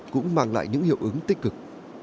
cũng mang lại những hiệu ứng tích cực